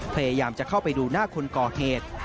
พยายามจะเข้าไปดูหน้าคนก่อเหตุ